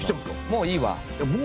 「もういいわ」